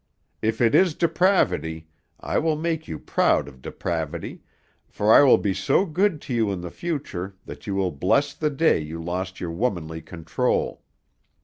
If it is depravity, I will make you proud of depravity, for I will be so good to you in the future that you will bless the day you lost your womanly control.